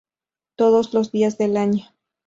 Todos los días del año.